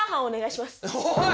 おい！